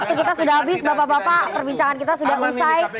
waktu kita sudah habis bapak bapak perbincangan kita sudah usai